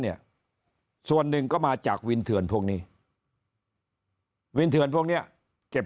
เนี่ยส่วนหนึ่งก็มาจากวินเถื่อนพวกนี้วินเถื่อนพวกเนี้ยเก็บ